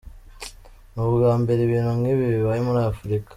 Ni ubwambere ibintu nk’ibi bibaye muri Afrika.